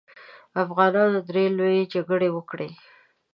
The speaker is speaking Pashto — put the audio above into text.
افغانانو درې لويې جګړې وکړې.